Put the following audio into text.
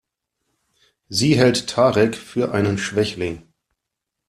Sie hält Tarek für einen Schwächling.